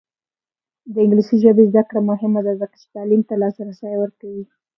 د انګلیسي ژبې زده کړه مهمه ده ځکه چې تعلیم ته لاسرسی ورکوي.